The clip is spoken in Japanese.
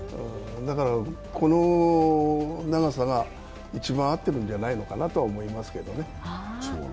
この長さが一番合っているんじゃないかなと思うんですけれどもね。